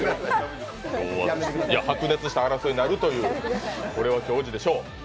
白熱した争いになるというこれはきょうじでしょう。